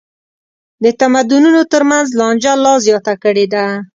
د تمدنونو تر منځ لانجه لا زیاته کړې ده.